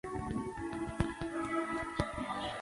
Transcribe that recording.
Se encuentra desde el sur del Brasil hasta el norte de Argentina.